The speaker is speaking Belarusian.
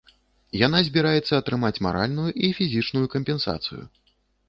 Яна збіраецца атрымаць маральную і фізічную кампенсацыю.